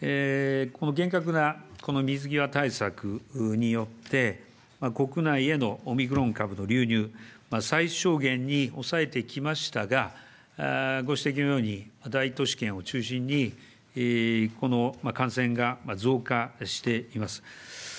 厳格な水際対策によって、国内へのオミクロン株の流入、最小限に抑えてきましたが、ご指摘のように大都市圏を中心に、この感染が増加しています。